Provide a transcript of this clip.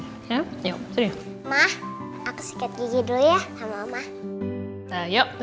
ma aku sikat gigi dulu ya sama mama